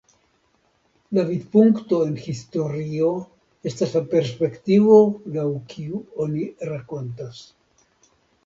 La vidpunkto en historio estas la perspektivo laŭ kiu oni rakontas.